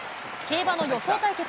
競馬の予想対決。